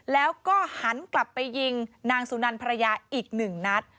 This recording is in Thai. แล้วก็หันกลับไปยิงนางสุนันภรรยาอีกหนึ่งนัด